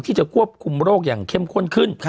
ที่จะควบคุมโรคอย่างเข้มข้นขึ้น